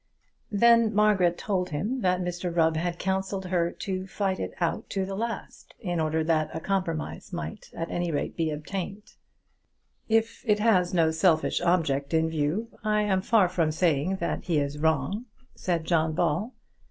Then Margaret told him that Mr Rubb had counselled her to fight it out to the last, in order that a compromise might at any rate be obtained. "If it has no selfish object in view I am far from saying that he is wrong," said John Ball.